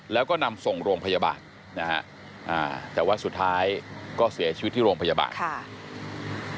แล้วก็นำส่งโรงพยาบาทแต่ว่าสุดท้ายก็เสียชีวิตที่โรงพยาบาท